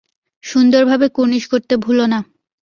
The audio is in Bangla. সুন্দরভাবে কুর্নিশ করতে ভুলোনা।